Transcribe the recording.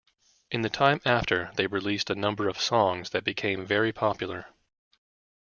In the time after they released a number of songs that became very popular.